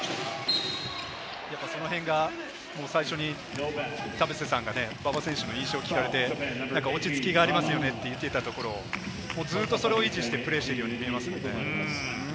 そのへんが最初に田臥さんが、馬場選手の印象を聞かれて、落ち着きがありますよねって言ってたところ、ずっとそれを維持してプレーしているように見えますよね。